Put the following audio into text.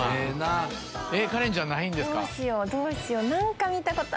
カレンちゃんないんですか？